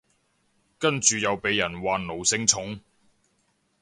跟住又被人話奴性重